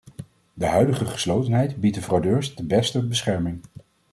De huidige geslotenheid biedt de fraudeurs de beste bescherming.